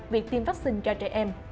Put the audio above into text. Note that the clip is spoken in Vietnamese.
việc tiêm vắc xin cho trẻ em